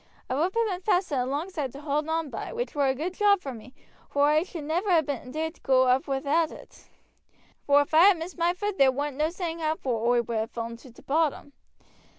A rope had been fastened alongside to hold on by, which war a good job for me, vor oi should never ha' dared go oop wi'out it, vor if oi had missed my foot there warn't no saying how far oi would ha' fallen to t' bottom.